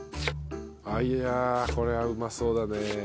あいやこれはうまそうだね。